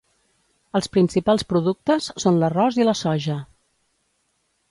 Els principals productes són l'arròs i la soja.